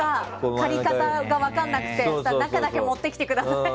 借り方が分からなくて中だけ持ってきてくださいって。